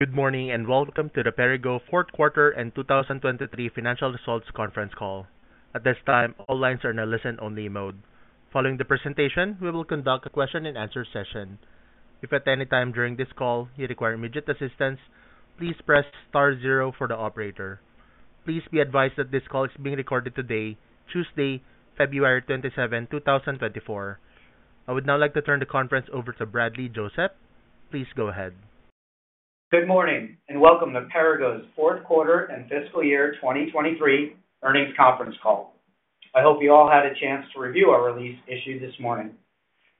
Good morning, and welcome to the Perrigo Fourth Quarter and 2023 Financial Results Conference Call. At this time, all lines are in a listen-only mode. Following the presentation, we will conduct a question-and-answer session. If at any time during this call you require immediate assistance, please press star zero for the operator. Please be advised that this call is being recorded today, Tuesday, February 27, 2024. I would now like to turn the conference over to Bradley Joseph. Please go ahead. Good morning, and welcome to Perrigo's fourth quarter and fiscal year 2023 earnings conference call. I hope you all had a chance to review our release issued this morning.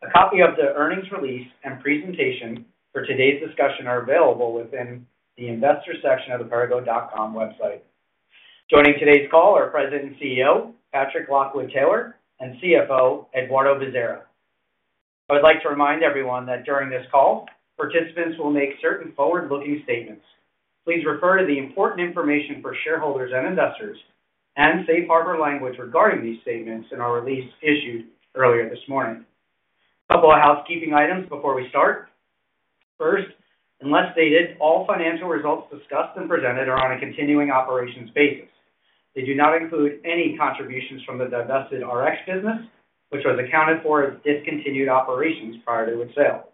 A copy of the earnings release and presentation for today's discussion are available within the investor section of the Perrigo.com website. Joining today's call are President and CEO, Patrick Lockwood-Taylor, and CFO, Eduardo Bezerra. I would like to remind everyone that during this call, participants will make certain forward-looking statements. Please refer to the important information for shareholders and investors and Safe Harbor language regarding these statements in our release issued earlier this morning. A couple of housekeeping items before we start. First, unless stated, all financial results discussed and presented are on a continuing operations basis. They do not include any contributions from the divested Rx business, which was accounted for as discontinued operations prior to its sale.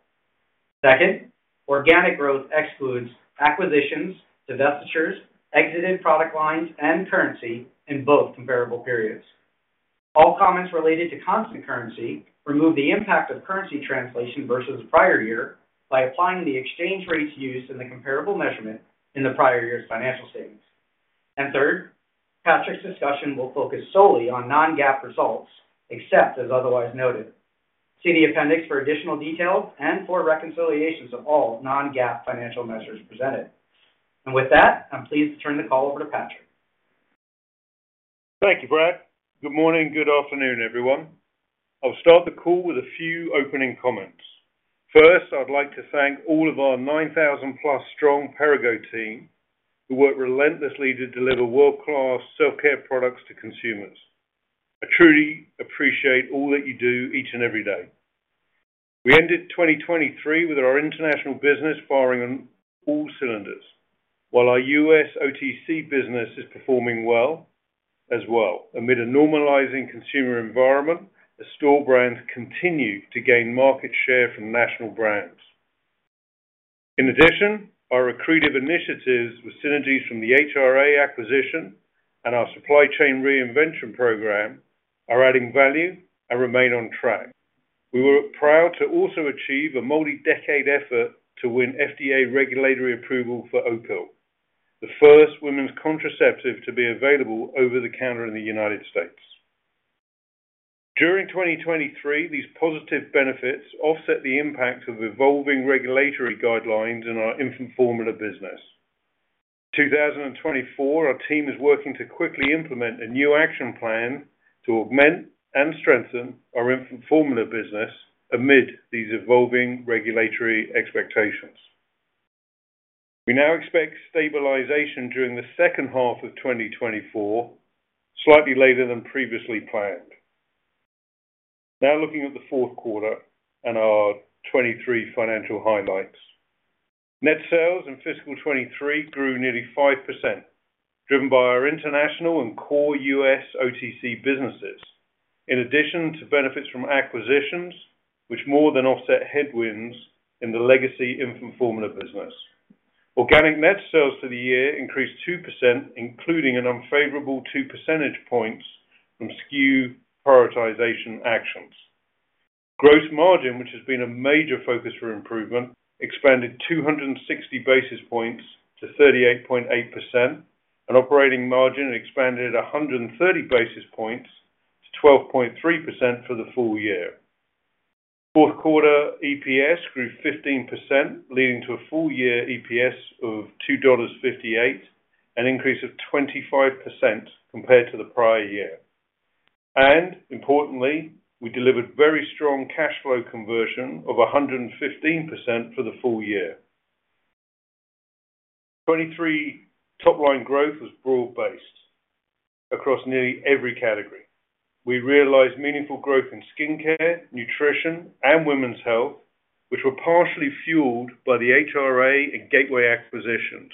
Second, organic growth excludes acquisitions, divestitures, exited product lines, and currency in both comparable periods. All comments related to constant currency remove the impact of currency translation versus the prior year by applying the exchange rates used in the comparable measurement in the prior year's financial statements. And third, Patrick's discussion will focus solely on non-GAAP results, except as otherwise noted. See the appendix for additional details and for reconciliations of all non-GAAP financial measures presented. And with that, I'm pleased to turn the call over to Patrick. Thank you, Brad. Good morning, good afternoon, everyone. I'll start the call with a few opening comments. First, I'd like to thank all of our 9,000+ strong Perrigo team, who work relentlessly to deliver world-class self-care products to consumers. I truly appreciate all that you do each and every day. We ended 2023 with our international business firing on all cylinders, while our U.S. OTC business is performing well, as well. Amid a normalizing consumer environment, the store brands continue to gain market share from national brands. In addition, our accretive initiatives with synergies from the HRA acquisition and our Supply Chain Reinvention Program are adding value and remain on track. We were proud to also achieve a multi-decade effort to win FDA regulatory approval for Opill, the first women's contraceptive to be available over the counter in the United States. During 2023, these positive benefits offset the impact of evolving regulatory guidelines in our infant formula business. In 2024, our team is working to quickly implement a new action plan to augment and strengthen our infant formula business amid these evolving regulatory expectations. We now expect stabilization during the second half of 2024, slightly later than previously planned. Now looking at the fourth quarter and our 2023 financial highlights. Net sales in fiscal 2023 grew nearly 5%, driven by our international and core U.S. OTC businesses, in addition to benefits from acquisitions, which more than offset headwinds in the legacy infant formula business. Organic net sales for the year increased 2%, including an unfavorable 2 percentage points from SKU prioritization actions. Gross margin, which has been a major focus for improvement, expanded 260 basis points to 38.8%, and operating margin expanded 130 basis points to 12.3% for the full year. Fourth quarter EPS grew 15%, leading to a full year EPS of $2.58, an increase of 25% compared to the prior year. And importantly, we delivered very strong cash flow conversion of 115% for the full year. 2023 top line growth was broad-based across nearly every category. We realized meaningful growth in skincare, nutrition, and women's health, which were partially fueled by the HRA and Gateway acquisitions.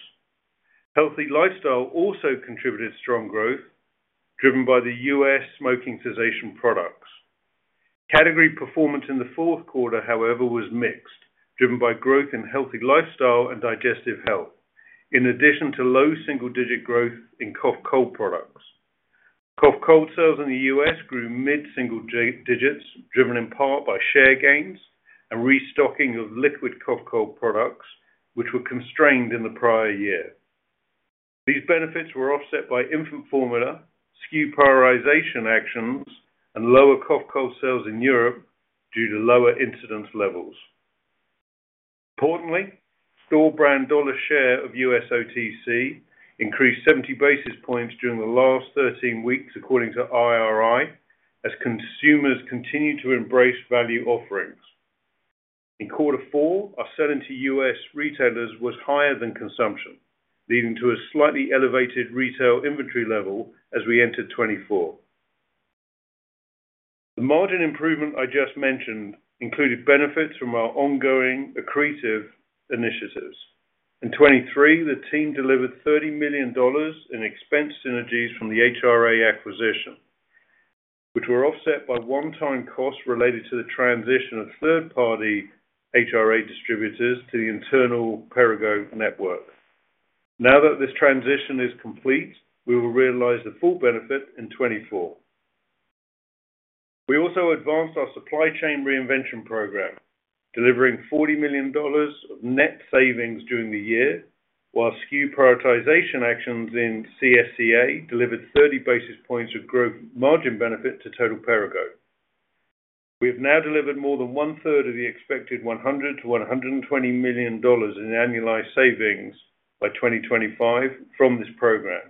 Healthy lifestyle also contributed to strong growth, driven by the U.S. smoking cessation products. Category performance in the fourth quarter, however, was mixed, driven by growth in healthy lifestyle and digestive health, in addition to low single-digit growth in cough-cold products. Cough-cold sales in the U.S. grew mid-single digits, driven in part by share gains and restocking of liquid cough-cold products, which were constrained in the prior year. These benefits were offset by infant formula, SKU prioritization actions, and lower cough-cold sales in Europe due to lower incidence levels. Importantly, store brand dollar share of U.S. OTC increased 70 basis points during the last 13 weeks, according to IRI, as consumers continued to embrace value offerings. In quarter four, our selling to U.S. retailers was higher than consumption, leading to a slightly elevated retail inventory level as we entered 2024. The margin improvement I just mentioned included benefits from our ongoing accretive initiatives. In 2023, the team delivered $30 million in expense synergies from the HRA acquisition, which were offset by one-time costs related to the transition of third-party HRA distributors to the internal Perrigo network. Now that this transition is complete, we will realize the full benefit in 2024. We also advanced our supply chain reinvention program, delivering $40 million of net savings during the year, while SKU prioritization actions in CSCA delivered 30 basis points of gross margin benefit to total Perrigo. We have now delivered more than one third of the expected $100 million-$120 million in annualized savings by 2025 from this program,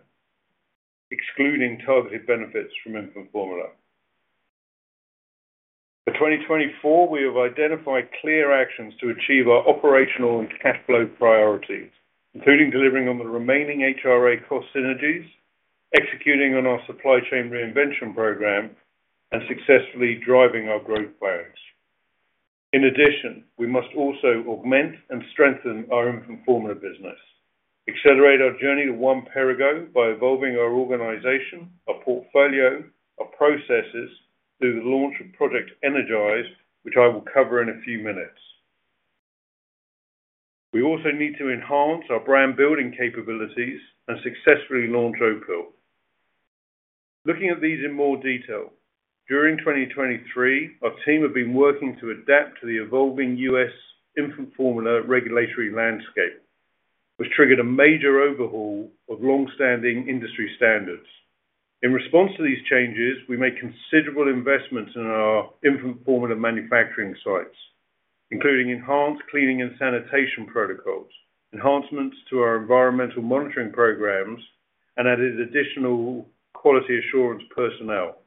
excluding targeted benefits from infant formula. For 2024, we have identified clear actions to achieve our operational and cash flow priorities, including delivering on the remaining HRA cost synergies, executing on our Supply Chain Reinvention Program, and successfully driving our growth priorities. In addition, we must also augment and strengthen our infant formula business, accelerate our journey to one Perrigo by evolving our organization, our portfolio, our processes through the launch of Project Energize, which I will cover in a few minutes. We also need to enhance our brand building capabilities and successfully launch Opill. Looking at these in more detail, during 2023, our team have been working to adapt to the evolving U.S. infant formula regulatory landscape, which triggered a major overhaul of long-standing industry standards. In response to these changes, we made considerable investments in our infant formula manufacturing sites, including enhanced cleaning and sanitation protocols, enhancements to our environmental monitoring programs, and added additional quality assurance personnel.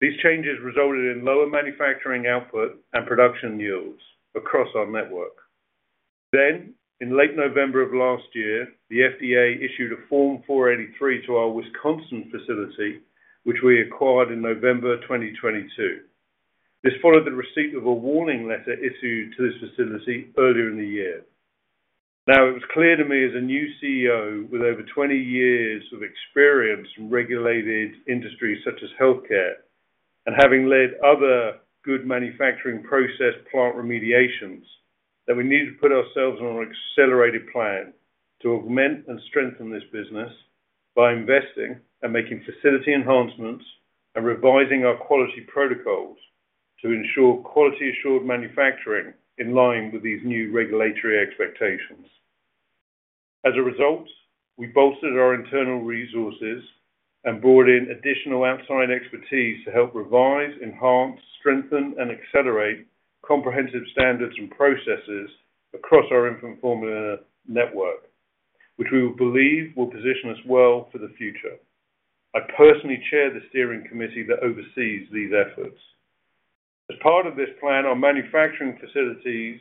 These changes resulted in lower manufacturing output and production yields across our network. Then, in late November of last year, the FDA issued a Form 483 to our Wisconsin facility, which we acquired in November 2022. This followed the receipt of a warning letter issued to this facility earlier in the year. Now, it was clear to me as a new CEO with over 20 years of experience in regulated industries such as healthcare, and having led other good manufacturing process plant remediations, that we needed to put ourselves on an accelerated plan to augment and strengthen this business by investing and making facility enhancements and revising our quality protocols to ensure quality assured manufacturing in line with these new regulatory expectations. As a result, we bolstered our internal resources and brought in additional outside expertise to help revise, enhance, strengthen, and accelerate comprehensive standards and processes across our infant formula network, which we believe will position us well for the future. I personally chair the steering committee that oversees these efforts. As part of this plan, our manufacturing facilities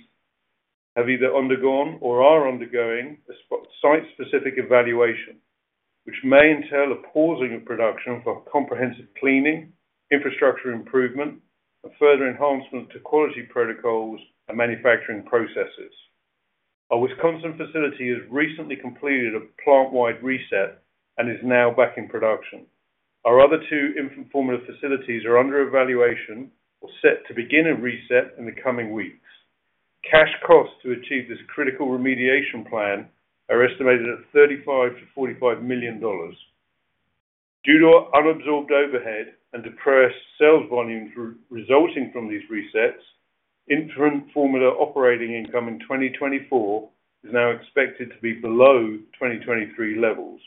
have either undergone or are undergoing a site-specific evaluation, which may entail a pausing of production for comprehensive cleaning, infrastructure improvement, and further enhancement to quality protocols and manufacturing processes. Our Wisconsin facility has recently completed a plant-wide reset and is now back in production. Our other two infant formula facilities are under evaluation or set to begin a reset in the coming weeks. Cash costs to achieve this critical remediation plan are estimated at $35 million-$45 million. Due to unabsorbed overhead and depressed sales volumes resulting from these resets, infant formula operating income in 2024 is now expected to be below 2023 levels,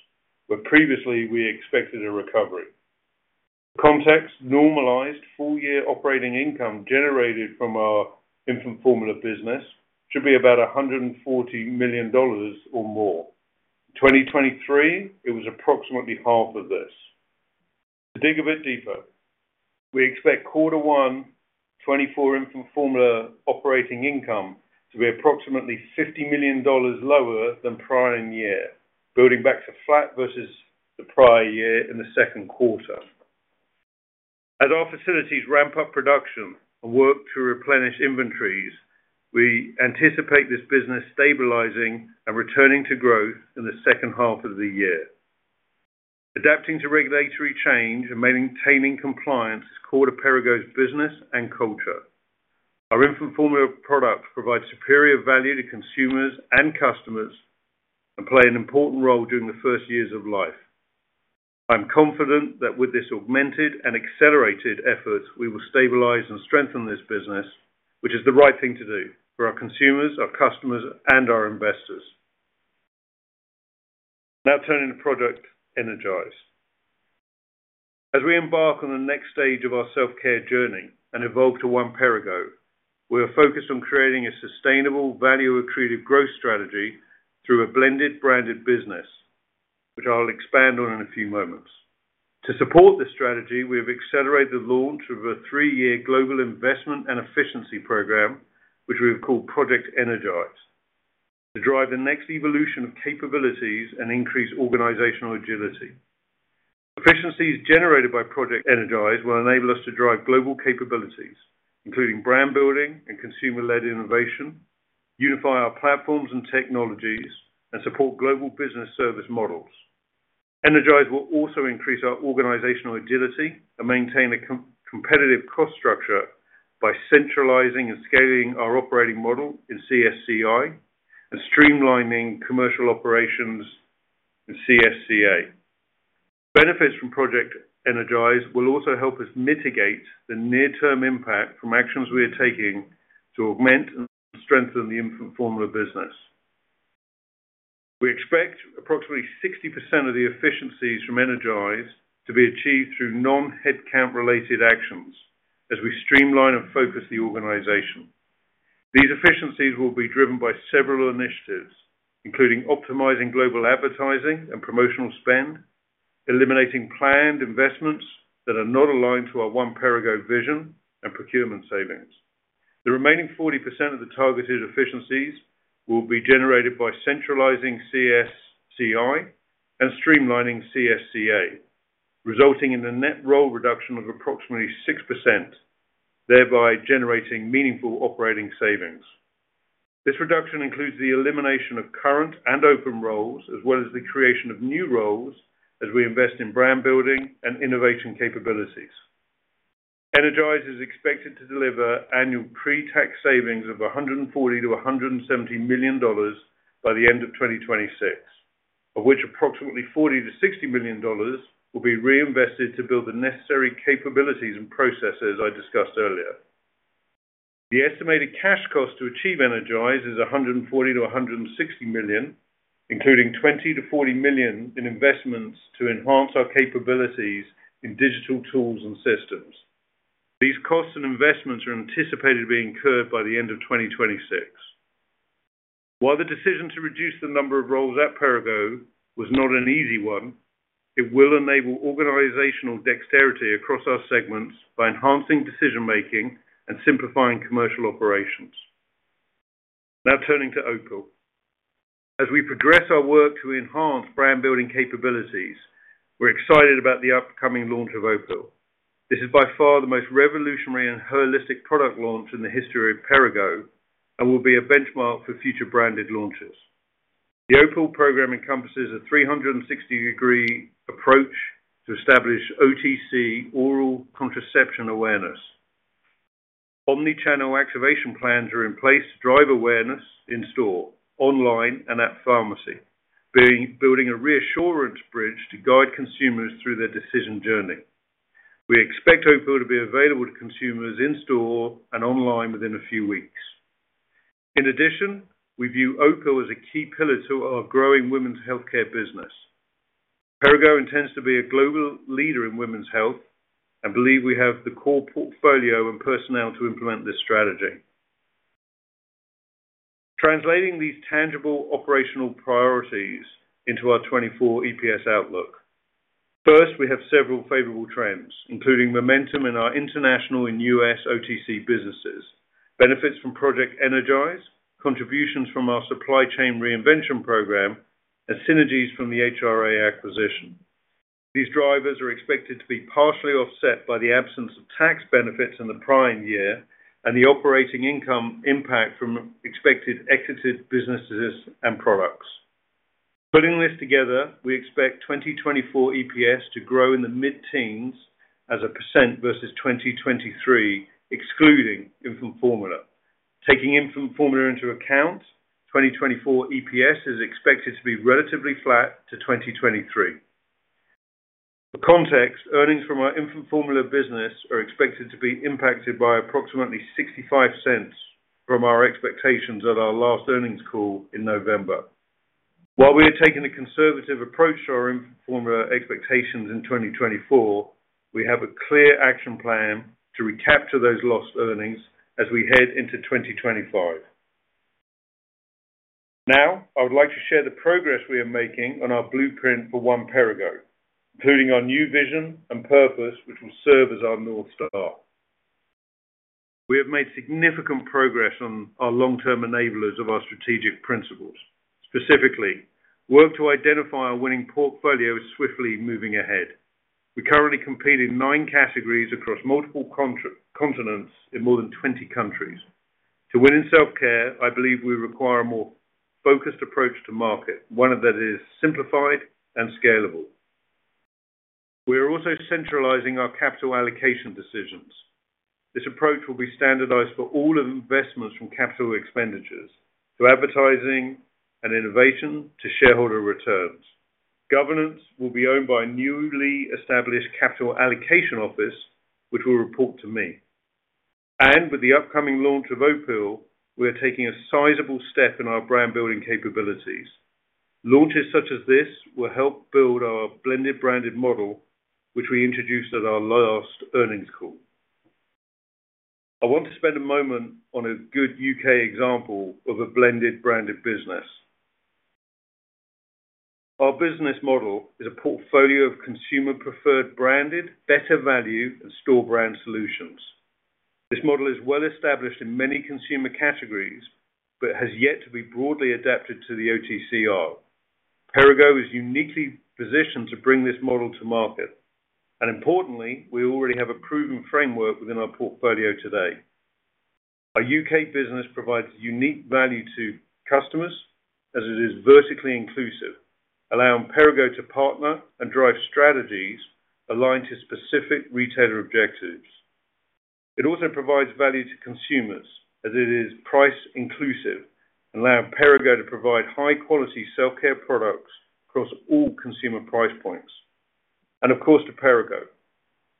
where previously we expected a recovery. Context normalized full year operating income generated from our infant formula business should be about $140 million or more. 2023, it was approximately half of this. To dig a bit deeper, we expect quarter 1 2024 infant formula operating income to be approximately $50 million lower than prior year, building back to flat versus the prior year in the second quarter. As our facilities ramp up production and work to replenish inventories, we anticipate this business stabilizing and returning to growth in the second half of the year. Adapting to regulatory change and maintaining compliance is core to Perrigo's business and culture. Our infant formula products provide superior value to consumers and customers and play an important role during the first years of life. I'm confident that with this augmented and accelerated effort, we will stabilize and strengthen this business, which is the right thing to do for our consumers, our customers, and our investors. Now turning to Project Energize. As we embark on the next stage of our self-care journey and evolve to one Perrigo, we are focused on creating a sustainable, value accretive growth strategy through a blended branded business, which I'll expand on in a few moments. To support this strategy, we have accelerated the launch of a three-year global investment and efficiency program, which we have called Project Energize, to drive the next evolution of capabilities and increase organizational agility. Efficiencies generated by Project Energize will enable us to drive global capabilities, including brand building and consumer-led innovation, unify our platforms and technologies, and support global business service models. Energize will also increase our organizational agility and maintain a competitive cost structure by centralizing and scaling our operating model in CSCI, and streamlining commercial operations in CSCA. Benefits from Project Energize will also help us mitigate the near-term impact from actions we are taking to augment and strengthen the infant formula business. We expect approximately 60% of the efficiencies from Energize to be achieved through non-headcount related actions as we streamline and focus the organization. These efficiencies will be driven by several initiatives, including optimizing global advertising and promotional spend, eliminating planned investments that are not aligned to our One Perrigo vision, and procurement savings. The remaining 40% of the targeted efficiencies will be generated by centralizing CSCI and streamlining CSCA, resulting in a net roll reduction of approximately 6%, thereby generating meaningful operating savings. This reduction includes the elimination of current and open roles, as well as the creation of new roles as we invest in brand building and innovation capabilities. Energize is expected to deliver annual pre-tax savings of $140 million-$170 million by the end of 2026, of which approximately $40 million-$60 million will be reinvested to build the necessary capabilities and processes I discussed earlier. The estimated cash cost to achieve Project Energize is $140 million-$160 million, including $20 million-$40 million in investments to enhance our capabilities in digital tools and systems. These costs and investments are anticipated to be incurred by the end of 2026. While the decision to reduce the number of roles at Perrigo was not an easy one, it will enable organizational dexterity across our segments by enhancing decision making and simplifying commercial operations. Now turning to Opill. As we progress our work to enhance brand building capabilities, we're excited about the upcoming launch of Opill. This is by far the most revolutionary and holistic product launch in the history of Perrigo, and will be a benchmark for future branded launches. The Opill program encompasses a 360-degree approach to establish OTC oral contraception awareness. Omnichannel activation plans are in place to drive awareness in store, online, and at pharmacy, building a reassurance bridge to guide consumers through their decision journey. We expect Opill to be available to consumers in store and online within a few weeks. In addition, we view Opill as a key pillar to our growing women's healthcare business. Perrigo intends to be a global leader in women's health, and believe we have the core portfolio and personnel to implement this strategy. Translating these tangible operational priorities into our 2024 EPS outlook. First, we have several favorable trends, including momentum in our international and U.S. OTC businesses, benefits from Project Energize, contributions from our supply chain reinvention program, and synergies from the HRA acquisition. These drivers are expected to be partially offset by the absence of tax benefits in the prior year, and the operating income impact from expected exited businesses and products. Putting this together, we expect 2024 EPS to grow in the mid-teens% versus 2023, excluding infant formula. Taking infant formula into account, 2024 EPS is expected to be relatively flat to 2023. For context, earnings from our infant formula business are expected to be impacted by approximately $0.65 from our expectations at our last earnings call in November. While we are taking a conservative approach to our infant formula expectations in 2024, we have a clear action plan to recapture those lost earnings as we head into 2025. Now, I would like to share the progress we are making on our blueprint for One Perrigo, including our new vision and purpose, which will serve as our North Star. We have made significant progress on our long-term enablers of our strategic principles, specifically, work to identify our winning portfolio is swiftly moving ahead. We currently compete in nine categories across multiple continents in more than 20 countries. To win in self-care, I believe we require a more focused approach to market, one that is simplified and scalable. We are also centralizing our capital allocation decisions. This approach will be standardized for all investments from capital expenditures, to advertising and innovation, to shareholder returns. Governance will be owned by a newly established capital allocation office, which will report to me. With the upcoming launch of Opill, we are taking a sizable step in our brand building capabilities. Launches such as this will help build our blended branded model, which we introduced at our last earnings call. I want to spend a moment on a good U.K. example of a blended branded business. Our business model is a portfolio of consumer preferred branded, better value, and store brand solutions. This model is well established in many consumer categories, but has yet to be broadly adapted to the OTC. Perrigo is uniquely positioned to bring this model to market, and importantly, we already have a proven framework within our portfolio today. Our U.K. business provides unique value to customers as it is vertically inclusive, allowing Perrigo to partner and drive strategies aligned to specific retailer objectives. It also provides value to consumers, as it is price inclusive, allowing Perrigo to provide high-quality self-care products across all consumer price points. And of course, to Perrigo,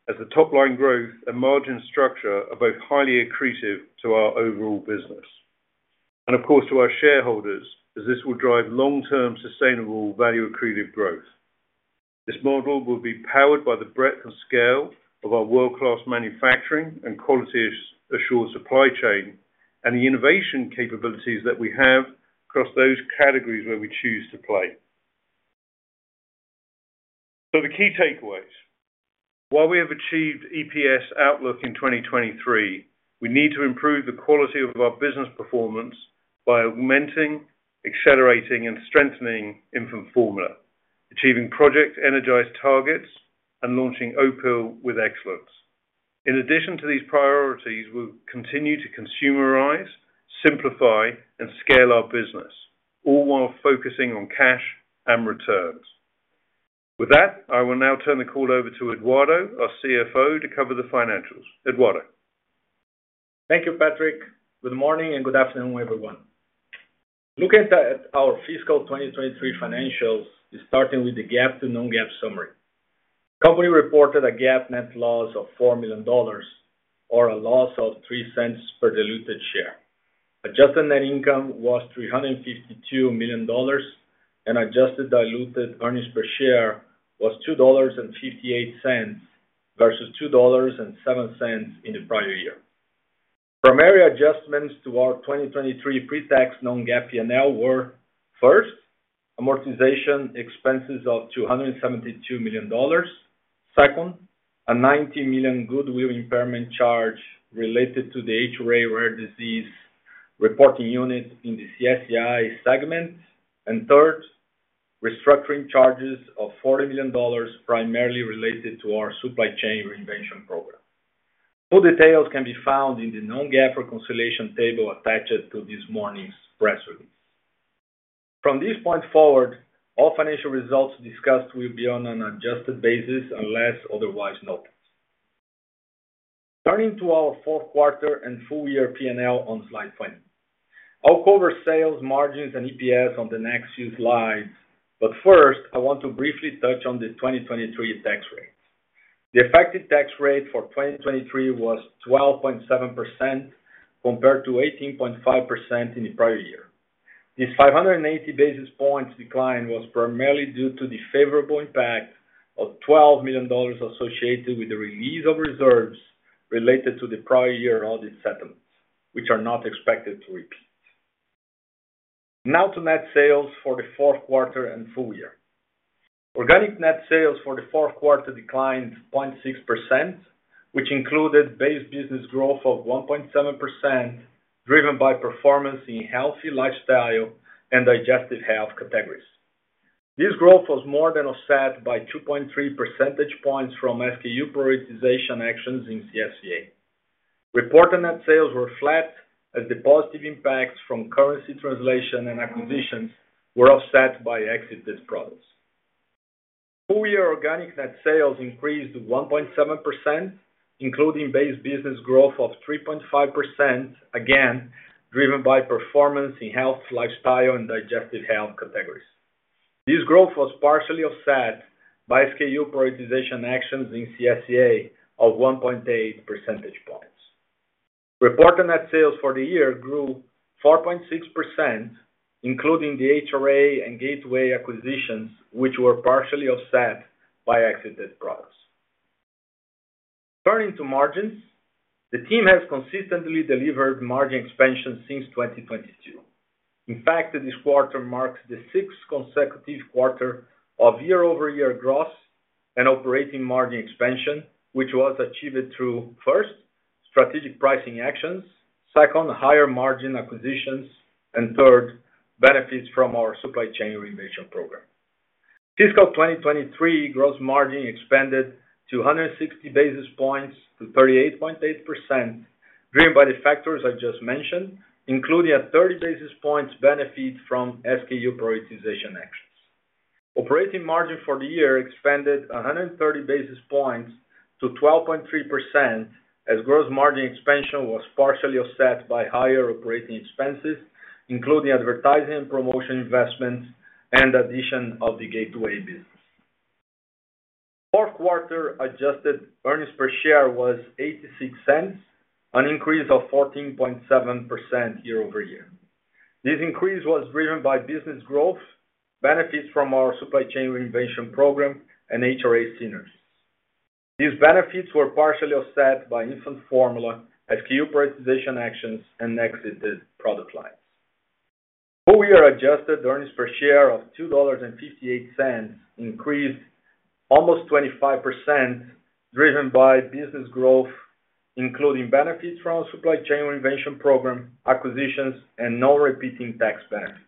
as the top line growth and margin structure are both highly accretive to our overall business. And of course, to our shareholders, as this will drive long-term, sustainable, value-accretive growth. This model will be powered by the breadth and scale of our world-class manufacturing and quality-assured supply chain, and the innovation capabilities that we have across those categories where we choose to play. So the key takeaways. While we have achieved EPS outlook in 2023, we need to improve the quality of our business performance by augmenting, accelerating, and strengthening infant formula, achieving Project Energize targets, and launching Opill with excellence. In addition to these priorities, we'll continue to consumerize, simplify, and scale our business, all while focusing on cash and returns. With that, I will now turn the call over to Eduardo, our CFO, to cover the financials. Eduardo? Thank you, Patrick. Good morning, and good afternoon, everyone. Looking at our fiscal 2023 financials, starting with the GAAP to non-GAAP summary. Company reported a GAAP net loss of $4 million, or a loss of $0.03 per diluted share. Adjusted net income was $352 million, and adjusted diluted earnings per share was $2.58, versus $2.07 in the prior year. Primary adjustments to our 2023 pre-tax non-GAAP P&L were, first, amortization expenses of $272 million. Second, a $90 million goodwill impairment charge related to the HRA rare disease reporting unit in the CSCI segment. And third, restructuring charges of $40 million, primarily related to our supply chain reinvention program. Full details can be found in the non-GAAP reconciliation table attached to this morning's press release. From this point forward, all financial results discussed will be on an adjusted basis, unless otherwise noted. Turning to our fourth quarter and full year P&L on slide 20. I'll cover sales, margins, and EPS on the next few slides, but first, I want to briefly touch on the 2023 tax rate. The effective tax rate for 2023 was 12.7%, compared to 18.5% in the prior year. This 580 basis points decline was primarily due to the favorable impact of $12 million associated with the release of reserves related to the prior year audit settlements, which are not expected to repeat. Now to net sales for the fourth quarter and full year. Organic net sales for the fourth quarter declined 0.6%, which included base business growth of 1.7%, driven by performance in healthy lifestyle and digestive health categories. This growth was more than offset by 2.3 percentage points from SKU prioritization actions in CSCA. Reported net sales were flat, as the positive impacts from currency translation and acquisitions were offset by exited products. Full year organic net sales increased to 1.7%, including base business growth of 3.5%, again, driven by performance in health, lifestyle, and digestive health categories. This growth was partially offset by SKU prioritization actions in CSCA of 1.8 percentage points. Reported net sales for the year grew 4.6%, including the HRA and Gateway acquisitions, which were partially offset by exited products. Turning to margins, the team has consistently delivered margin expansion since 2022. In fact, this quarter marks the sixth consecutive quarter of year-over-year gross and operating margin expansion, which was achieved through, first, strategic pricing actions, second, higher margin acquisitions, and third, benefits from our Supply Chain Reinvention Program. Fiscal 2023 gross margin expanded 160 basis points to 38.8%, driven by the factors I just mentioned, including a 30 basis points benefit from SKU prioritization actions. Operating margin for the year expanded 130 basis points to 12.3%, as gross margin expansion was partially offset by higher operating expenses, including advertising and promotion investments and addition of the gateway business. Fourth quarter adjusted earnings per share was $0.86, an increase of 14.7% year-over-year. This increase was driven by business growth, benefits from our supply chain reinvention program and HRA synergies. These benefits were partially offset by infant formula, SKU prioritization actions, and exited product lines. Full-year adjusted earnings per share of $2.58 increased almost 25%, driven by business growth, including benefits from our supply chain reinvention program, acquisitions, and non-recurring tax benefits.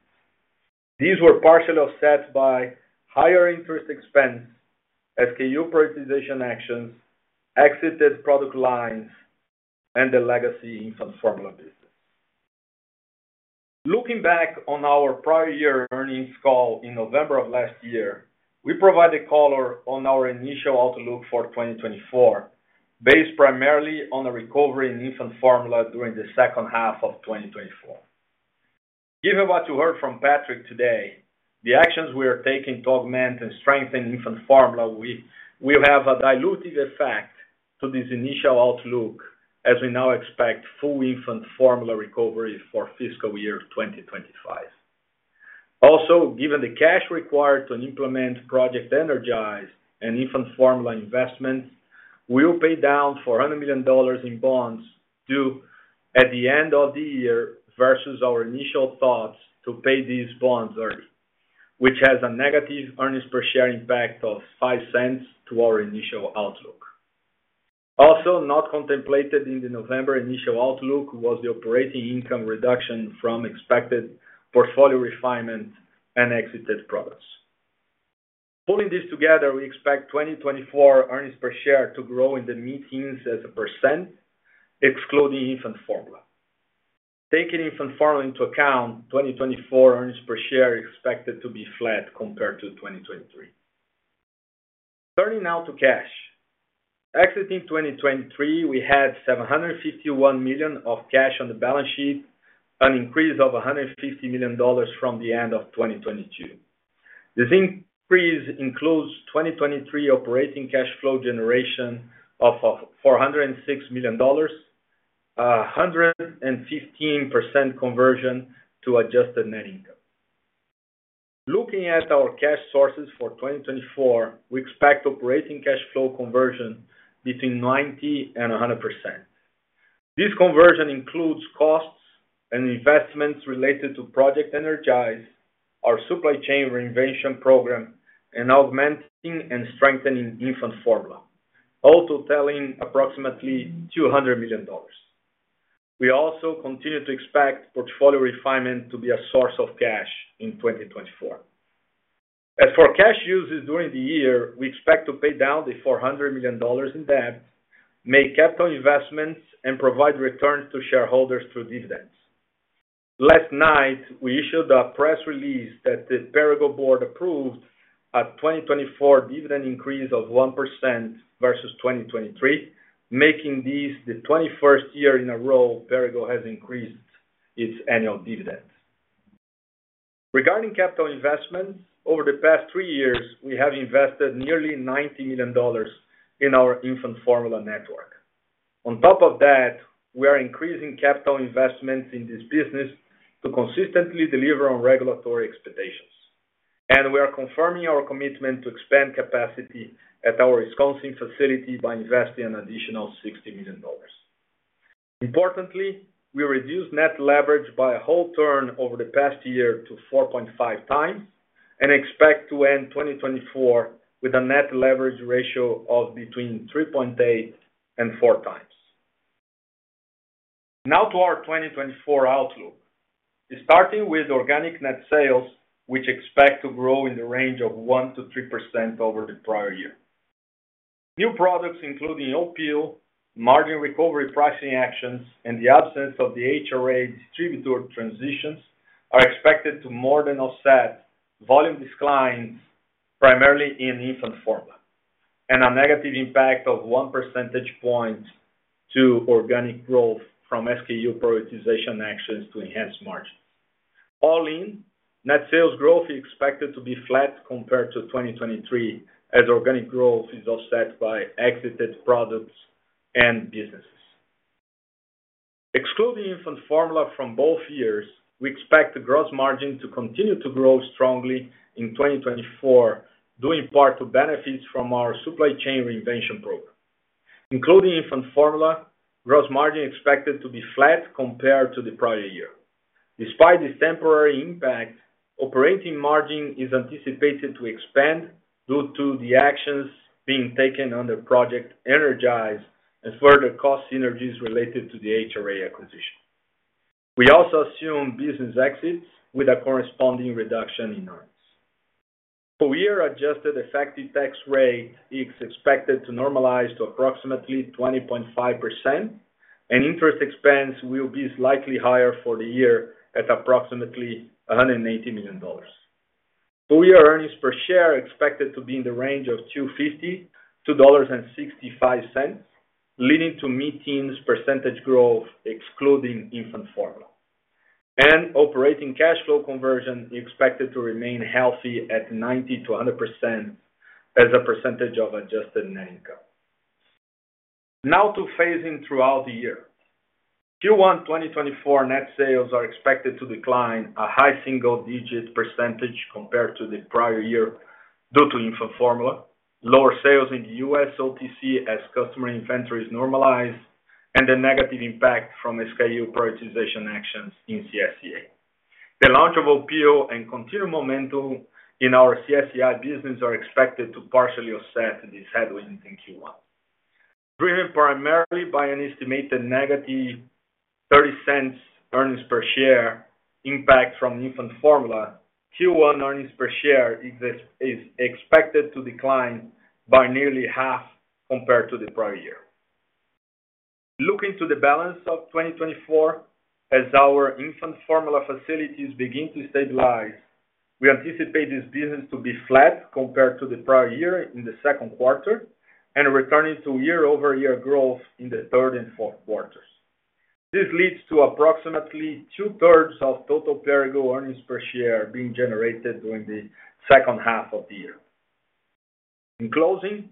These were partially offset by higher interest expense, SKU prioritization actions, exited product lines, and the legacy infant formula business. Looking back on our prior year earnings call in November of last year, we provided color on our initial outlook for 2024, based primarily on a recovery in infant formula during the second half of 2024. Given what you heard from Patrick today, the actions we are taking to augment and strengthen infant formula, we will have a dilutive effect to this initial outlook, as we now expect full infant formula recovery for fiscal year 2025. Also, given the cash required to implement Project Energize and infant formula investments, we'll pay down $400 million in bonds due at the end of the year versus our initial thoughts to pay these bonds early, which has a negative earnings per share impact of $0.05 to our initial outlook. Also, not contemplated in the November initial outlook was the operating income reduction from expected portfolio refinement and exited products. Pulling this together, we expect 2024 earnings per share to grow in the mid-teens%, excluding infant formula. Taking infant formula into account, 2024 earnings per share is expected to be flat compared to 2023. Turning now to cash. Exiting 2023, we had $751 million of cash on the balance sheet, an increase of $150 million from the end of 2022. This increase includes 2023 operating cash flow generation of $406 million, 115% conversion to adjusted net income. Looking at our cash sources for 2024, we expect operating cash flow conversion between 90% and 100%. This conversion includes costs and investments related to Project Energize, our Supply Chain Reinvention Program, and augmenting and strengthening infant formula, all totaling approximately $200 million. We also continue to expect portfolio refinement to be a source of cash in 2024. As for cash uses during the year, we expect to pay down $400 million in debt, make capital investments, and provide returns to shareholders through dividends. Last night, we issued a press release that the Perrigo board approved a 2024 dividend increase of 1% versus 2023, making this the 21st year in a row Perrigo has increased its annual dividend. Regarding capital investments, over the past three years, we have invested nearly $90 million in our infant formula network. On top of that, we are increasing capital investments in this business to consistently deliver on regulatory expectations, and we are confirming our commitment to expand capacity at our Wisconsin facility by investing an additional $60 million. Importantly, we reduced net leverage by a whole turn over the past year to 4.5 times, and expect to end 2024 with a net leverage ratio of between 3.8 and 4 times. Now to our 2024 outlook. Starting with organic net sales, which expect to grow in the range of 1%-3% over the prior year. New products, including Opill, margin recovery pricing actions, and the absence of the HRA distributor transitions, are expected to more than offset volume declines, primarily in infant formula, and a negative impact of one percentage point to organic growth from SKU prioritization actions to enhance margins. All in, net sales growth is expected to be flat compared to 2023, as organic growth is offset by exited products and businesses. Excluding infant formula from both years, we expect the gross margin to continue to grow strongly in 2024, due in part to benefits from our Supply Chain Reinvention Program. Including infant formula, gross margin is expected to be flat compared to the prior year. Despite this temporary impact, operating margin is anticipated to expand due to the actions being taken under Project Energize and further cost synergies related to the HRA acquisition. We also assume business exits with a corresponding reduction in earnings. Full-year adjusted effective tax rate is expected to normalize to approximately 20.5%, and interest expense will be slightly higher for the year at approximately $180 million. Full-year earnings per share are expected to be in the range of $2.50-$2.65, leading to mid-teens % growth, excluding infant formula. Operating cash flow conversion is expected to remain healthy at 90%-100% as a percentage of adjusted net income. Now to phasing throughout the year. Q1 2024 net sales are expected to decline a high single-digit percentage compared to the prior year, due to infant formula, lower sales in the U.S. OTC as customer inventories normalize, and a negative impact from SKU prioritization actions in CSCA. The launch of Opill and continued momentum in our CSCI business are expected to partially offset this headwind in Q1. Driven primarily by an estimated -$0.30 earnings per share impact from infant formula, Q1 earnings per share is expected to decline by nearly half compared to the prior year. Looking to the balance of 2024, as our infant formula facilities begin to stabilize, we anticipate this business to be flat compared to the prior year in the second quarter and returning to year-over-year growth in the third and fourth quarters. This leads to approximately two-thirds of total Perrigo earnings per share being generated during the second half of the year. In closing,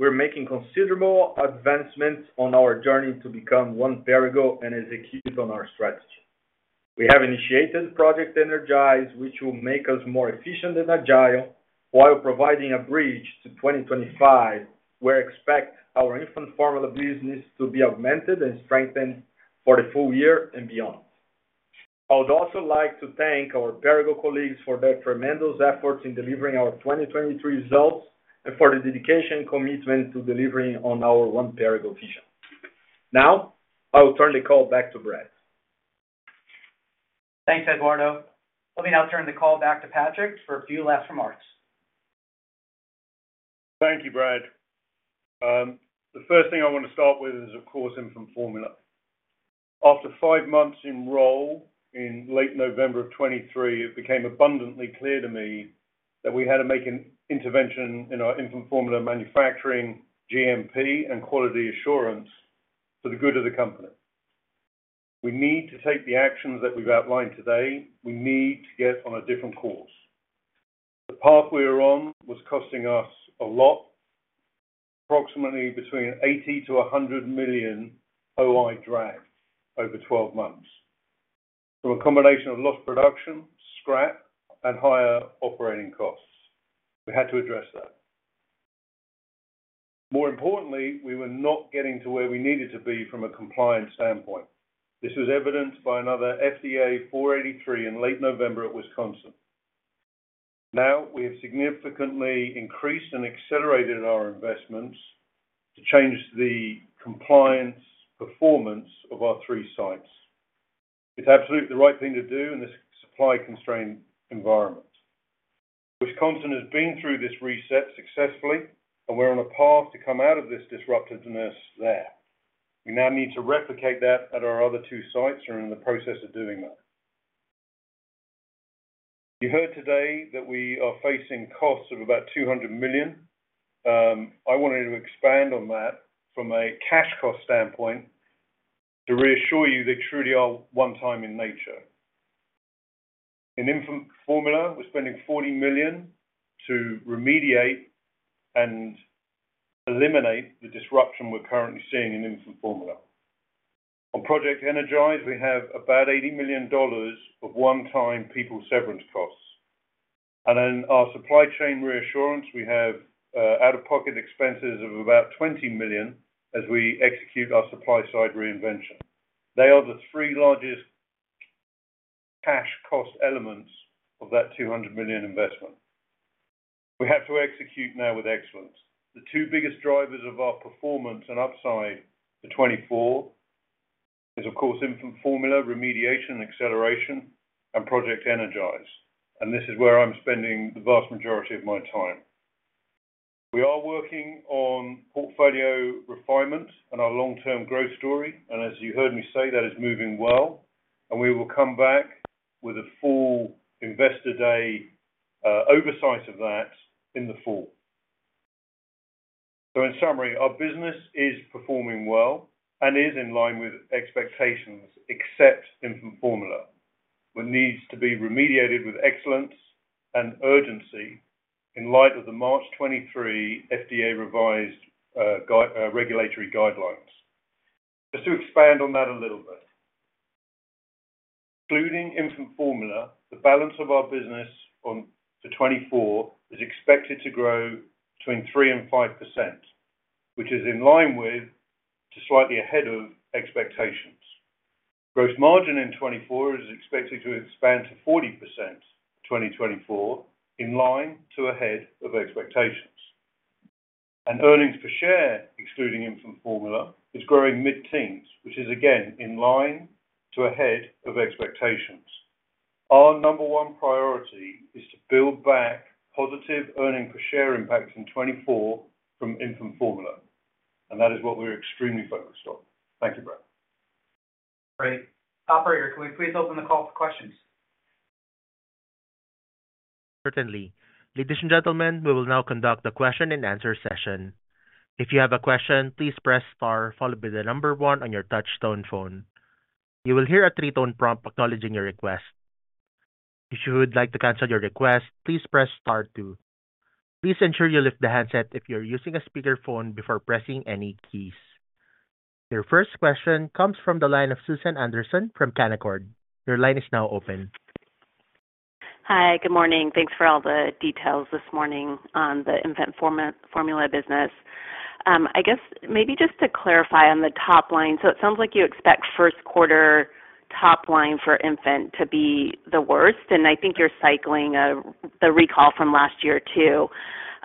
we're making considerable advancements on our journey to become One Perrigo and execute on our strategy. We have initiated Project Energize, which will make us more efficient and agile while providing a bridge to 2025, where expect our infant formula business to be augmented and strengthened for the full year and beyond. I would also like to thank our Perrigo colleagues for their tremendous efforts in delivering our 2023 results and for the dedication commitment to delivering on our One Perrigo vision. Now, I will turn the call back to Brad. Thanks, Eduardo. Let me now turn the call back to Patrick for a few last remarks. Thank you, Brad. The first thing I want to start with is, of course, infant formula. After five months in role in late November of 2023, it became abundantly clear to me that we had to make an intervention in our infant formula manufacturing, GMP, and quality assurance for the good of the company. We need to take the actions that we've outlined today. We need to get on a different course. The path we were on was costing us a lot, approximately between $80 million-$100 million OI drag over 12 months, from a combination of lost production, scrap, and higher operating costs. We had to address that. More importantly, we were not getting to where we needed to be from a compliance standpoint. This was evidenced by another FDA Form 483 in late November at Wisconsin. Now, we have significantly increased and accelerated our investments to change the compliance performance of our three sites. It's absolutely the right thing to do in this supply-constrained environment. Wisconsin has been through this reset successfully, and we're on a path to come out of this disruptiveness there. We now need to replicate that at our other two sites. We're in the process of doing that. You heard today that we are facing costs of about $200 million. I wanted to expand on that from a cash cost standpoint to reassure you they truly are one time in nature. In infant formula, we're spending $40 million to remediate and eliminate the disruption we're currently seeing in infant formula. On Project Energize, we have about $80 million of one-time people severance costs. And then our supply chain reinvention, we have out-of-pocket expenses of about $20 million as we execute our supply chain reinvention. They are the three largest cash cost elements of that $200 million investment. We have to execute now with excellence. The two biggest drivers of our performance and upside to 2024 is, of course, infant formula remediation and acceleration, and Project Energize, and this is where I'm spending the vast majority of my time. We are working on portfolio refinement and our long-term growth story, and as you heard me say, that is moving well, and we will come back with a full investor day oversight of that in the fall. So in summary, our business is performing well and is in line with expectations, except infant formula, which needs to be remediated with excellence and urgency in light of the March 2023 FDA revised guidance regulatory guidelines. Just to expand on that a little bit. Excluding infant formula, the balance of our business into 2024 is expected to grow between 3%-5%, which is in line with to slightly ahead of expectations. Gross margin in 2024 is expected to expand to 40%, 2024, in line to ahead of expectations. And earnings per share, excluding infant formula, is growing mid-teens, which is again in line to ahead of expectations. Our number one priority is to build back positive earnings per share impact in 2024 from infant formula, and that is what we're extremely focused on. Thank you, Brad. Great. Operator, can we please open the call for questions? Certainly. Ladies and gentlemen, we will now conduct a question and answer session. If you have a question, please press star followed by the number one on your touch tone phone. You will hear a three-tone prompt acknowledging your request. If you would like to cancel your request, please press star two. Please ensure you lift the handset if you're using a speakerphone before pressing any keys. Your first question comes from the line of Susan Anderson from Canaccord. Your line is now open. Hi, good morning. Thanks for all the details this morning on the infant formula business. I guess maybe just to clarify on the top line, so it sounds like you expect first quarter top line for infant to be the worst, and I think you're cycling the recall from last year, too.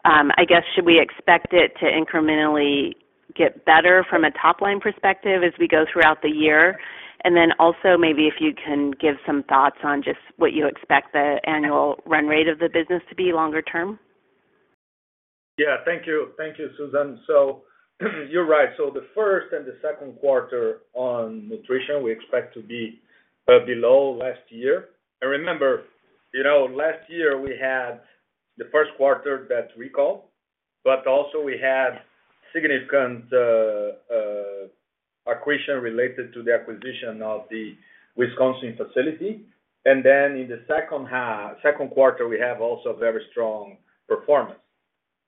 I guess, should we expect it to incrementally get better from a top-line perspective as we go throughout the year? And then also, maybe if you can give some thoughts on just what you expect the annual run rate of the business to be longer term. Yeah. Thank you. Thank you, Susan. So, you're right. So the first and the second quarter on nutrition, we expect to be below last year. And remember, you know, last year we had the first quarter that recall, but also we had significant acquisition related to the acquisition of the Wisconsin facility. And then in the second half - second quarter, we have also very strong performance.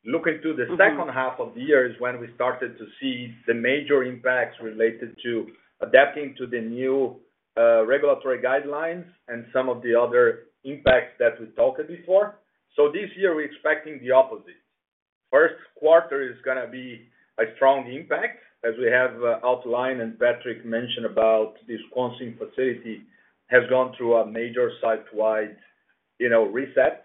Looking to the second half of the year is when we started to see the major impacts related to adapting to the new regulatory guidelines and some of the other impacts that we talked before. So this year, we're expecting the opposite. First quarter is gonna be a strong impact, as we have outlined, and Patrick mentioned about the Wisconsin facility has gone through a major site-wide, you know, reset.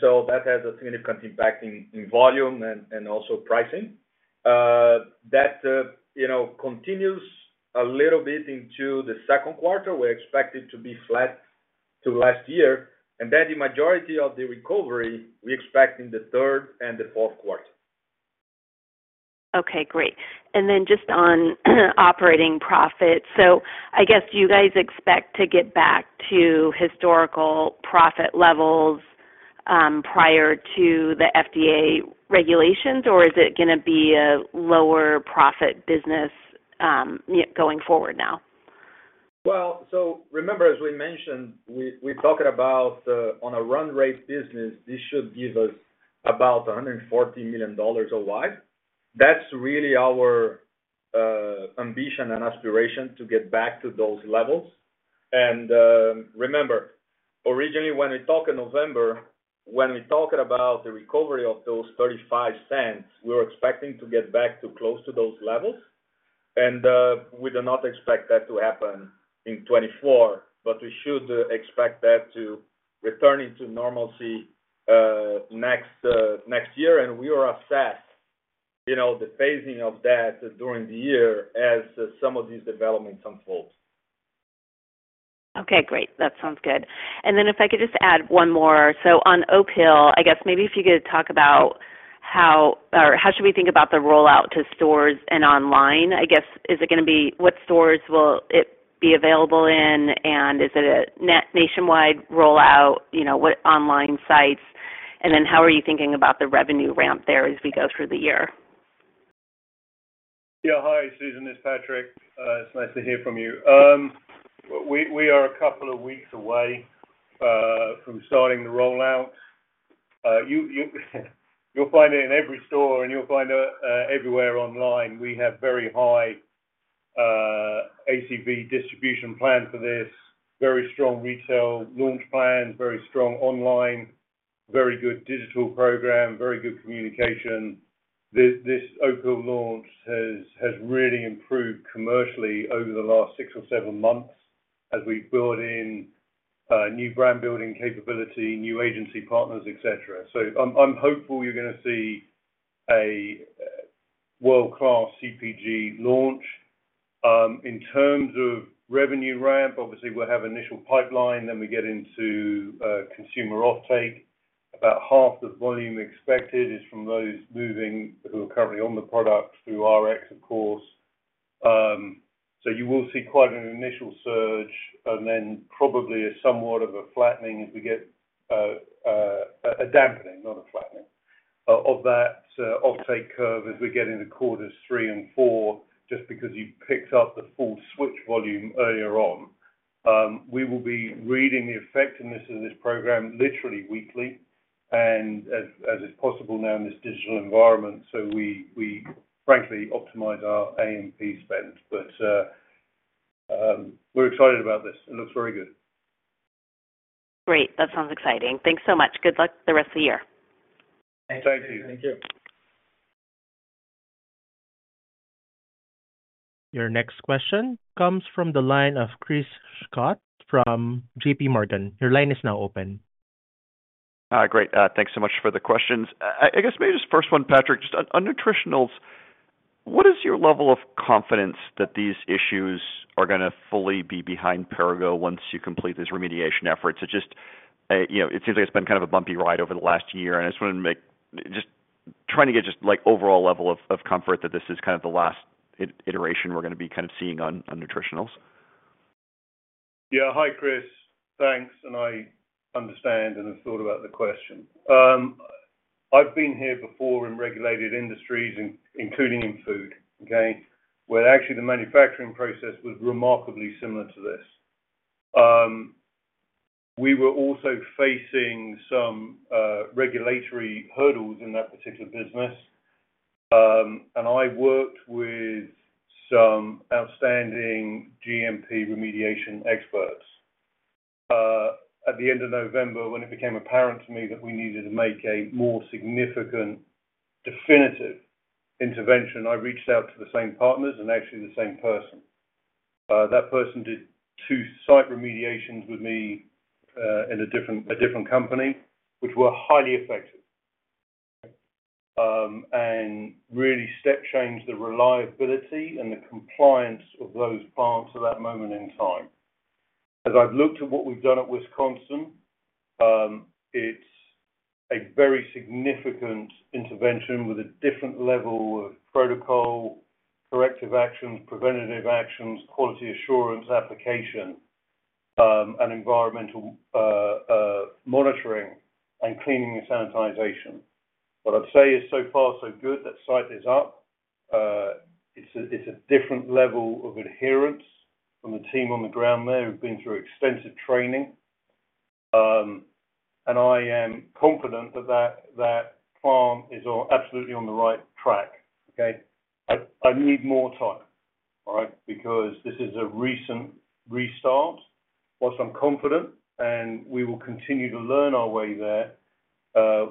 So that has a significant impact in volume and also pricing. That you know, continues a little bit into the second quarter. We expect it to be flat to last year, and then the majority of the recovery, we expect in the third and the fourth quarter. Okay, great. And then just on operating profit. So I guess, do you guys expect to get back to historical profit levels prior to the FDA regulations, or is it gonna be a lower profit business going forward now? Well, so remember, as we mentioned, we talked about on a run rate business, this should give us about $140 million a year. That's really our ambition and aspiration to get back to those levels. And remember, originally when we talked in November, when we talked about the recovery of those $0.35, we were expecting to get back to close to those levels, and we do not expect that to happen in 2024, but we should expect that to returning to normalcy next year. And we will assess, you know, the phasing of that during the year as some of these developments unfolds. Okay, great. That sounds good. And then if I could just add one more. So on Opill, I guess maybe if you could talk about how or how should we think about the rollout to stores and online? I guess, is it gonna be what stores will it be available in, and is it a nationwide rollout? You know, what online sites, and then how are you thinking about the revenue ramp there as we go through the year? Yeah. Hi, Susan, it's Patrick. It's nice to hear from you. We are a couple of weeks away from starting the rollout. You'll find it in every store, and you'll find everywhere online. We have very high ACV distribution plan for this, very strong retail launch plan, very strong online, very good digital program, very good communication. This Opill launch has really improved commercially over the last six or seven months as we've built in new brand building capability, new agency partners, et cetera. So I'm hopeful you're gonna see a world-class CPG launch. In terms of revenue ramp, obviously, we'll have initial pipeline, then we get into consumer offtake. About half the volume expected is from those moving, who are currently on the product through RX, of course. So you will see quite an initial surge and then probably a somewhat of a flattening as we get a dampening, not a flattening, of that offtake curve as we get into quarters three and four, just because you picked up the full switch volume earlier on. We will be reading the effectiveness of this program literally weekly and as is possible now in this digital environment, so we frankly optimize our AMP spend. But we're excited about this. It looks very good. Great. That sounds exciting. Thanks so much. Good luck the rest of the year. Thank you. Thank you. Your next question comes from the line of Chris Schott from J.P. Morgan. Your line is now open. Great. Thanks so much for the questions. I guess maybe just first one, Patrick, just on Nutritionals, what is your level of confidence that these issues are gonna fully be behind Perrigo once you complete this remediation effort? So just, you know, it seems like it's been kind of a bumpy ride over the last year, and I just wanted to make. Just trying to get just, like, overall level of comfort that this is kind of the last iteration we're gonna be kind of seeing on Nutritionals. Yeah. Hi, Chris. Thanks, and I understand and have thought about the question. I've been here before in regulated industries, including in food, okay? Where actually the manufacturing process was remarkably similar to this. We were also facing some regulatory hurdles in that particular business. And I worked with some outstanding GMP remediation experts. At the end of November, when it became apparent to me that we needed to make a more significant, definitive intervention, I reached out to the same partners and actually the same person. That person did two site remediations with me in a different company, which were highly effective, and really step changed the reliability and the compliance of those plants at that moment in time. As I've looked at what we've done at Wisconsin, it's a very significant intervention with a different level of protocol, corrective actions, preventative actions, quality assurance, application, and environmental monitoring and cleaning and sanitization. What I'd say is, so far, so good, that site is up. It's a different level of adherence from the team on the ground there, who've been through extensive training. And I am confident that that plant is on, absolutely on the right track, okay? I need more time, all right? Because this is a recent restart. While I'm confident, and we will continue to learn our way there,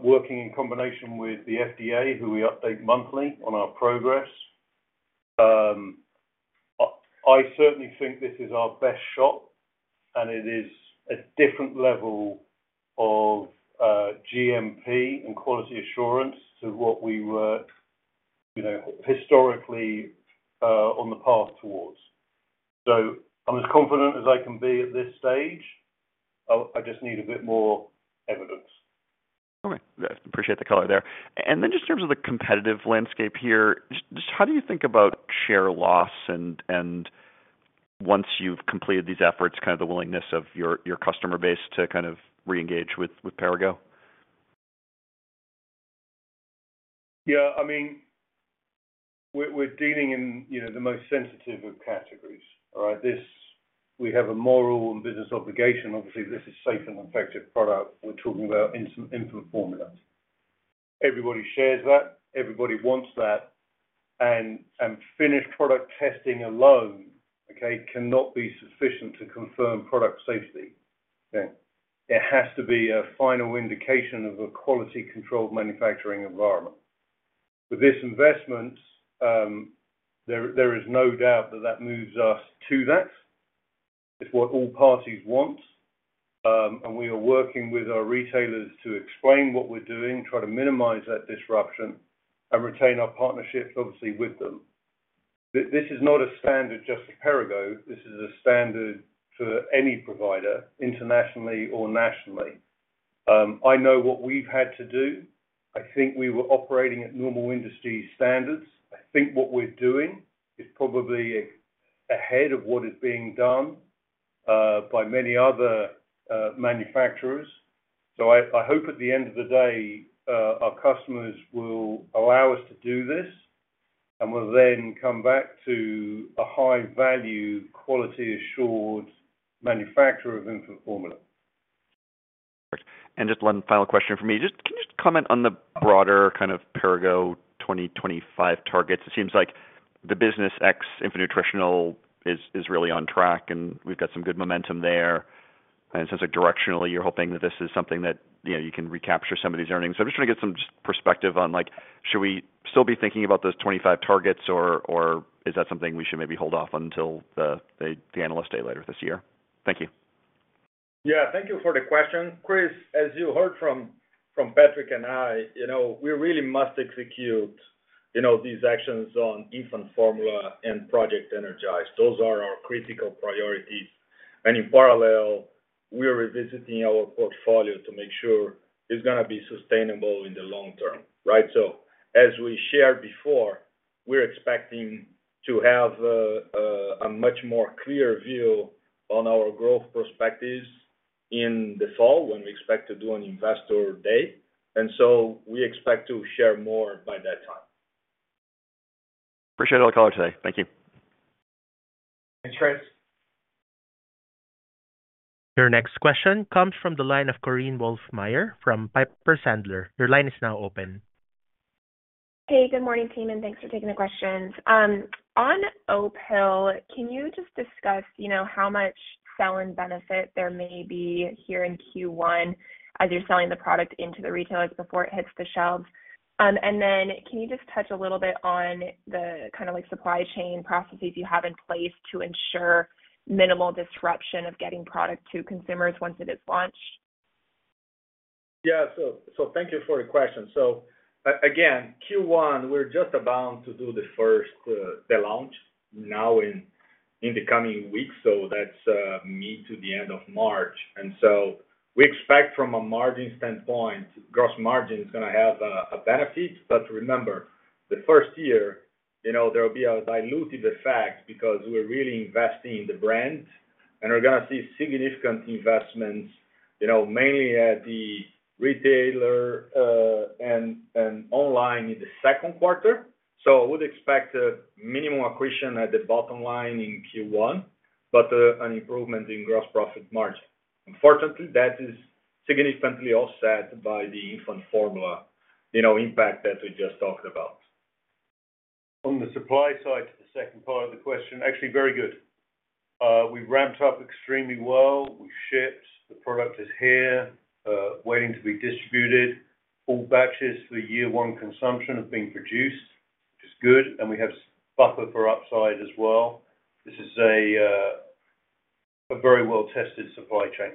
working in combination with the FDA, who we update monthly on our progress, I certainly think this is our best shot, and it is a different level of GMP and quality assurance to what we were, you know, historically on the path towards. So I'm as confident as I can be at this stage. I just need a bit more evidence. Okay. Appreciate the color there. And then just in terms of the competitive landscape here, just how do you think about share loss and once you've completed these efforts, kind of the willingness of your customer base to kind of reengage with Perrigo? Yeah, I mean, we're dealing in, you know, the most sensitive of categories, all right? This. We have a moral and business obligation. Obviously, this is safe and effective product. We're talking about infant formula. Everybody shares that, everybody wants that, and finished product testing alone, okay, cannot be sufficient to confirm product safety. Okay? It has to be a final indication of a quality-controlled manufacturing environment. With this investment, there is no doubt that that moves us to that. It's what all parties want, and we are working with our retailers to explain what we're doing, try to minimize that disruption, and retain our partnerships, obviously, with them. This is not a standard just for Perrigo, this is a standard for any provider, internationally or nationally. I know what we've had to do. I think we were operating at normal industry standards. I think what we're doing is probably ahead of what is being done by many other manufacturers. So, I hope at the end of the day our customers will allow us to do this, and we'll then come back to a high-value, quality assured manufacturer of infant formula. Just one final question from me. Just, can you just comment on the broader kind of Perrigo 2025 targets? It seems like the business ex infant nutritional is, is really on track, and we've got some good momentum there. It seems like directionally, you're hoping that this is something that, you know, you can recapture some of these earnings. So I'm just trying to get some perspective on, like, should we still be thinking about those 25 targets, or, or is that something we should maybe hold off until the, the analyst day later this year? Thank you. Yeah, thank you for the question. Chris, as you heard from Patrick and I, you know, we really must execute, you know, these actions on infant formula and Project Energize. Those are our critical priorities. And in parallel, we are revisiting our portfolio to make sure it's gonna be sustainable in the long term, right? So as we shared before, we're expecting to have a much more clear view on our growth perspectives in the fall, when we expect to do an investor day. And so we expect to share more by that time. Appreciate all the color today. Thank you. Thanks, Chris. Your next question comes from the line of Korinne Wolfmeyer from Piper Sandler. Your line is now open. Hey, good morning, team, and thanks for taking the questions. On Opill, can you just discuss, you know, how much sell-in benefit there may be here in Q1 as you're selling the product into the retailers before it hits the shelves? And then can you just touch a little bit on the kind of like, supply chain processes you have in place to ensure minimal disruption of getting product to consumers once it is launched? Yeah, so, so thank you for the question. So again, Q1, we're just about to do the first, the launch now in, in the coming weeks. So that's, mid to the end of March. And so we expect from a margin standpoint, gross margin is gonna have a, a benefit. But remember, the first year, you know, there will be a dilutive effect because we're really investing in the brand and we're gonna see significant investments, you know, mainly at the retailer, and, and online in the second quarter. So I would expect a minimal accretion at the bottom line in Q1, but, an improvement in gross profit margin. Unfortunately, that is significantly offset by the infant formula, you know, impact that we just talked about. On the supply side, the second part of the question, actually, very good. We've ramped up extremely well. We've shipped, the product is here, waiting to be distributed. All batches for year one consumption have been produced, which is good, and we have buffer for upside as well. This is a very well-tested supply chain.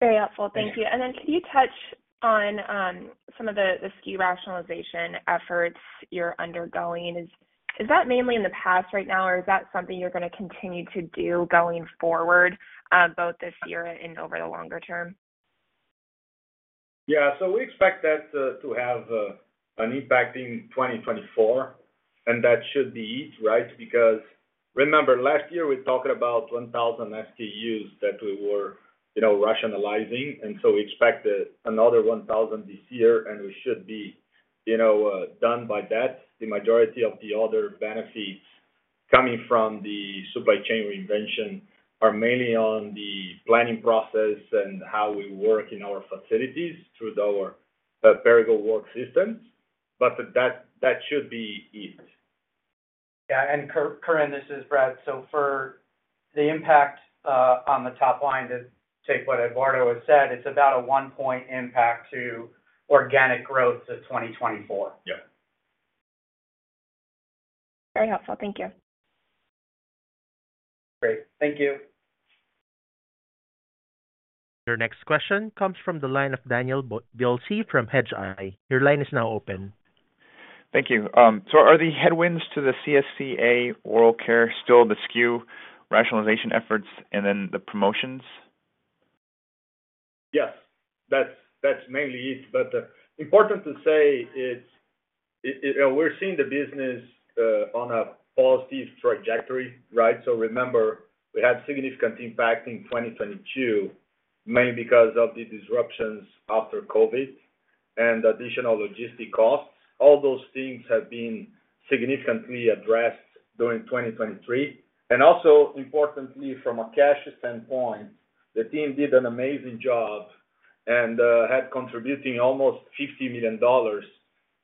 Very helpful. Thank you. And then can you touch on some of the SKU rationalization efforts you're undergoing? Is that mainly in the past right now, or is that something you're gonna continue to do going forward, both this year and over the longer term? Yeah. So we expect that to have an impact in 2024, and that should be it, right? Because remember, last year we talked about 1,000 SKUs that we were, you know, rationalizing, and so we expect another 1,000 this year, and we should be, you know, done by that. The majority of the other benefits coming from the supply chain reinvention are mainly on the planning process and how we work in our facilities through our Perrigo work systems. But that, that should be it. Yeah, and Korinne, this is Brad. So for the impact on the top line, to take what Eduardo has said, it's about a 1-point impact to organic growth to 2024. Yeah. Very helpful. Thank you. Great. Thank you. Your next question comes from the line of Daniel Biolsi from Hedgeye. Your line is now open. Thank you. So, are the headwinds to the CSCA Oral Care still the SKU rationalization efforts and then the promotions? Yes, that's mainly it. But important to say is, we're seeing the business on a positive trajectory, right? So remember, we had significant impact in 2022, mainly because of the disruptions after COVID and additional logistics costs. All those things have been significantly addressed during 2023. And also, importantly, from a cash standpoint, the team did an amazing job and had contributing almost $50 million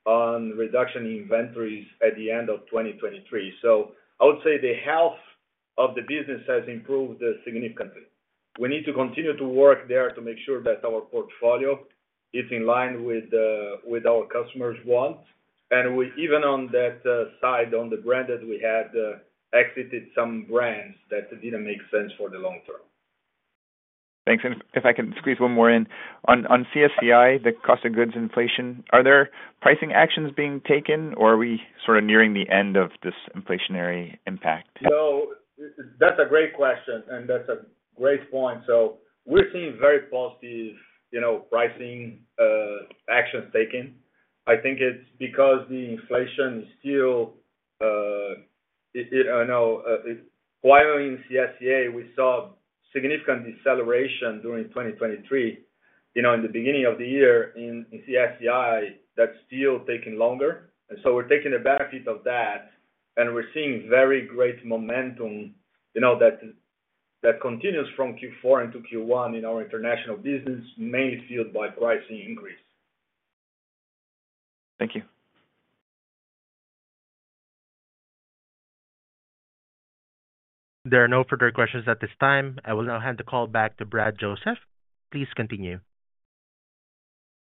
on reduction in inventories at the end of 2023. So I would say the health of the business has improved significantly. We need to continue to work there to make sure that our portfolio is in line with our customers' wants. And we even on that side, on the branded, we had exited some brands that didn't make sense for the long term. Thanks. And if I can squeeze one more in. On CSCI, the cost of goods inflation, are there pricing actions being taken, or are we sort of nearing the end of this inflationary impact? So that's a great question, and that's a great point. So we're seeing very positive, you know, pricing actions taken. I think it's because the inflation is still, I know, while in CSCA, we saw significant deceleration during 2023. You know, in the beginning of the year, in CSCI, that's still taking longer. And so we're taking the benefit of that, and we're seeing very great momentum, you know, that continues from Q4 into Q1 in our international business, mainly fueled by pricing increase. Thank you. There are no further questions at this time. I will now hand the call back to Bradley Joseph. Please continue.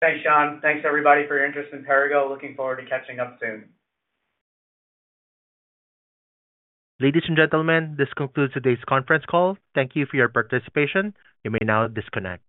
Thanks, Sean. Thanks, everybody, for your interest in Perrigo. Looking forward to catching up soon. Ladies and gentlemen, this concludes today's conference call. Thank you for your participation. You may now disconnect.